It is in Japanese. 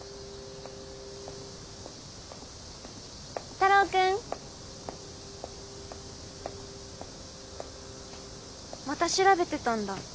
太郎君。また調べてたんだ。